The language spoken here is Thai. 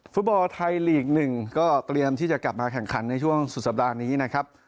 ฟุตบอลไทยลีก๑ก็เตรียมที่จะกลับมาแข่งขันในช่วงสุดสัปดาห์นี้นะครับ